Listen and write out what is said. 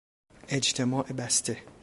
اجتماع بسته